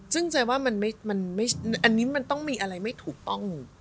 ซึ่งใจว่าอันนี้มันต้องมีอะไรไม่ถูกต้อง